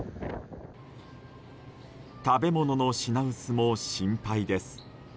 食べ物の品薄も心配です。